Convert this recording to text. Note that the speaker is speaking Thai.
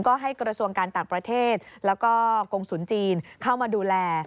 ก็ให้กระทรวงการต่างประเทศแล้วก็กงศูนย์จีนเข้ามาดูแล